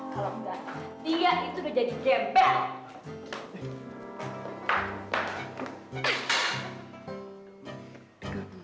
kalau nggak dia itu udah jadi jebel